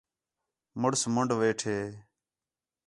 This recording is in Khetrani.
مُݨس منڈھ ویٹھے